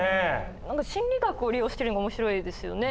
何か心理学を利用してるのが面白いですよね。